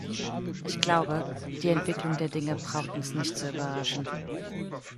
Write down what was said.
Ich glaube, die Entwicklung der Dinge braucht uns nicht zu überraschen.